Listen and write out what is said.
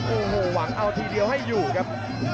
โอ้โหหวังเอาทีเดียวให้อยู่ครับ